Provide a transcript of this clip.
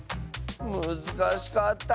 むずかしかった。